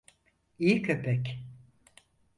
İyi köpek.